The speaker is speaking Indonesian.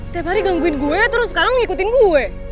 tiap hari gangguin gue terus sekarang ngikutin gue